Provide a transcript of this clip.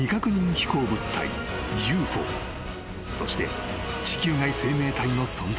［そして地球外生命体の存在］